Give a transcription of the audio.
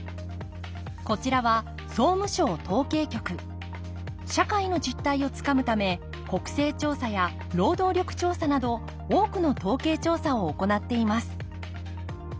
こちらは社会の実態をつかむため国勢調査や労働力調査など多くの統計調査を行っています